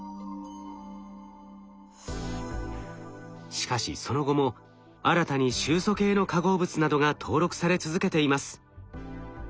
しかしその後も新たに臭素系の化合物などが登録され続けています。